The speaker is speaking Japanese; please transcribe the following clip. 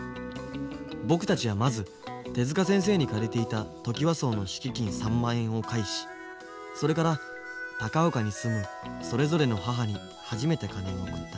僕たちはまず手先生に借りていたトキワ荘の敷金３万円を返しそれから高岡に住むそれぞれの母に初めて金を送った。